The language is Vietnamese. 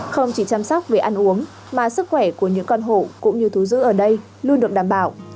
không chỉ chăm sóc về ăn uống mà sức khỏe của những con hộ cũng như thú giữ ở đây luôn được đảm bảo